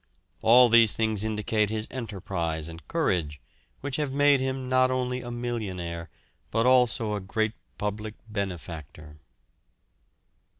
All these things indicate his enterprise and courage, which have made him not only a millionaire, but also a great public benefactor.